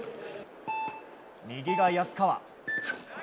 右が安川。